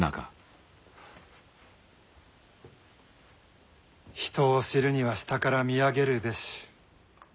人を知るには下から見上げるべし。